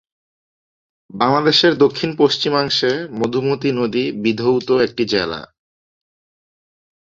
বাংলাদেশের দক্ষিণ পশ্চিমাংশে মধুমতি নদী বিধৌত একটি জেলা।